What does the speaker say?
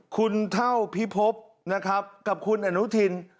คุณเท่าพิพบนะครับกับคุณอนุทิน